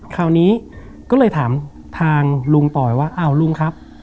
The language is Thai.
คราวนี้ก็เลยถามทางลุงต่อยว่าอ้าวลุงครับ